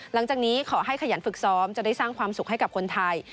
หลังจากนี้ขอให้ขยันฝึกซ้อมจะได้สร้างความสุขให้กับคนไทย